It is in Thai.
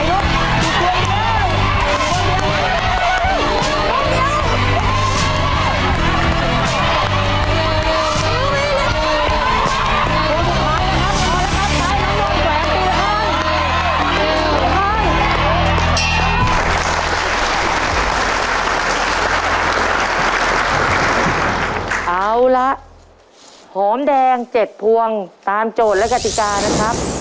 เอาละหอมแดง๗พวงตามโจทย์และกติกานะครับ